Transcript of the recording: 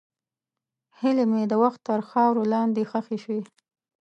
هیلې مې د وخت تر خاورو لاندې ښخې شوې.